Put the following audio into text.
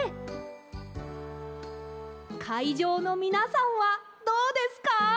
かいじょうのみなさんはどうですか？